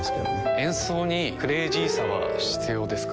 演奏にクレイジーさは必要ですか？